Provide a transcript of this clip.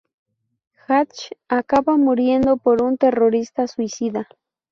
Hatch acaba muriendo por un terrorista suicida.